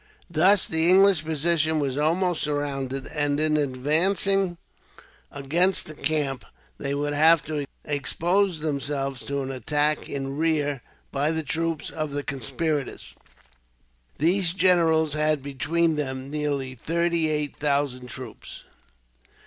Thus, the English position was almost surrounded; and in advancing against the camp, they would have to expose themselves to an attack in rear by the troops of the conspirators. These generals had, between them, nearly thirty eight thousand troops.